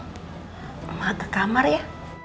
emak ke kamar ya